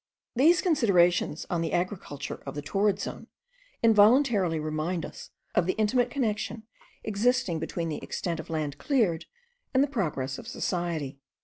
These considerations on the agriculture of the torrid zone involuntarily remind us of the intimate connexion existing between the extent of land cleared, and the progress of society.